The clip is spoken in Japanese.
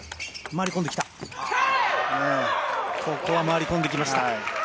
ここは回り込んできました。